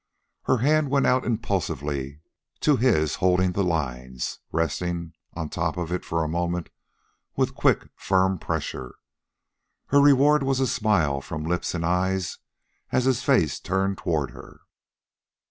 Her hand went out impulsively to his holding the lines, resting on top of it for a moment with quick, firm pressure. Her reward was a smile from lips and eyes, as his face turned toward her.